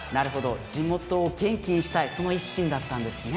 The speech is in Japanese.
地元の元気にしたいその一心だったんですね。